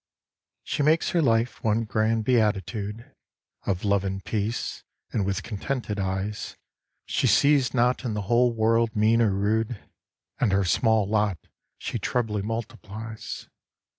She makes her life one grand beatitude Of Love and Peace, and with contented eyes She sees not in the whole world mean or rude, 172 THE GARDENER 173 And her small lot she trebly multiplies.